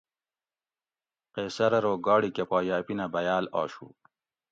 قیصر ارو گاڑی کہ پا یہ اپینہ بیاۤل آشو